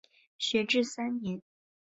学制三年。